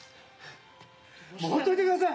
もうほっといてください。